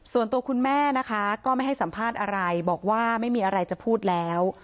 ส่วนตัวคุณแม่นะคะก็ไม่ให้สัมภาษณ์อะไรบอกว่าไม่มีอะไรจะพูดแล้ว